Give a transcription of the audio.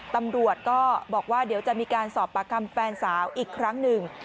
ตำรวจก็บอกว่าเดี๋ยวจะมีการสอบปากคำแฟนสาวอีกครั้งหนึ่ง